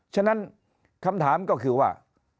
ฉะนั้นคำถามก็คือว่า